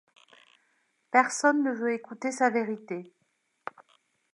Personne ne veut écouter sa vérité.